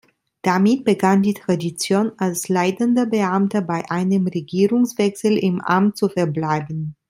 Damit begann die Tradition, als leitender Beamter bei einem Regierungswechsel im Amt zu verbleiben.